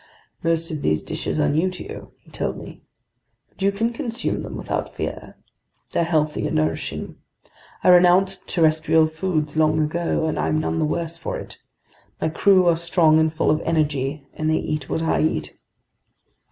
"Most of these dishes are new to you," he told me. "But you can consume them without fear. They're healthy and nourishing. I renounced terrestrial foods long ago, and I'm none the worse for it. My crew are strong and full of energy, and they eat what I eat."